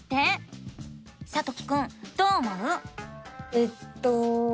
えっと。